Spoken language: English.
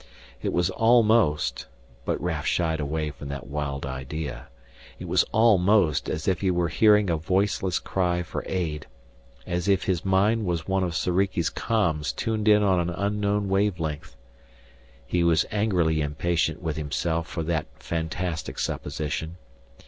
It was almost, but Raf shied away from that wild idea, it was almost as if he were hearing a voiceless cry for aid, as if his mind was one of Soriki's coms tuned in on an unknown wave length. He was angrily impatient with himself for that fantastic supposition.